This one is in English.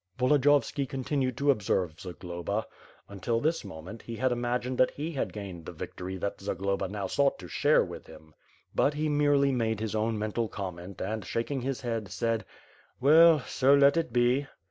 Voldiyovski continued to observe Zagloba. Until this mo ment, he had imagined that he had gained the victory that Zagloba now sought to share with him. But he merely made his own mental comment and, shaking his head, said: "Well, so let it be."